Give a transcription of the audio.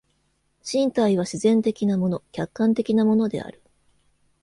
身体は自然的なもの、客観的なものである。